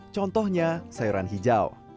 contohnya sayuran hijau